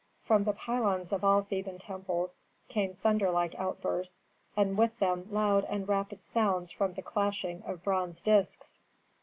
From the pylons of all Theban temples came thunder like outbursts and with them loud and rapid sounds from the clashing of bronze disks.